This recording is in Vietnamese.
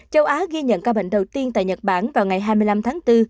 châu á ghi nhận ca bệnh đầu tiên tại nhật bản vào ngày hai mươi năm tháng bốn